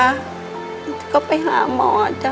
มันก็ไปหาหมอจ๋า